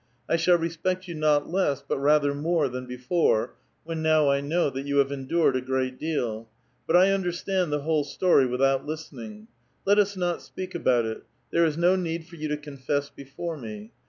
I shall respect you not less, but rather more, than before, when now 1 know that you have endured a great deal ; but 1 understand the whole story without listening. Let us not speak about it ; there is mo need for you to confess before me.